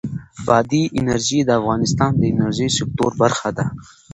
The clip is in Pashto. بادي انرژي د افغانستان د انرژۍ سکتور برخه ده.